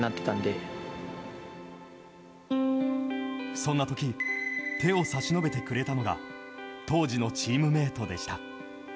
そんな時手を差し伸べてくれたのが当時のチームメートでした。